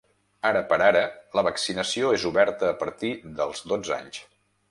Ara per ara, la vaccinació és oberta a partir dels dotze anys.